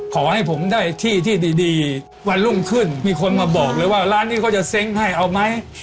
ขอให้ผมได้ที่ที่ดีวันรุ่งขึ้นมีคนมาบอกเลยว่าร้านนี้เขาจะเซ้งให้เอาไหม